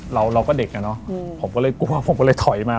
เราก็เด็กอ่ะเนอะผมก็เลยกลัวผมก็เลยถอยมา